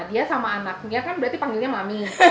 dia sama anaknya kan berarti panggilnya mami